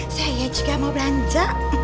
saya juga mau belanja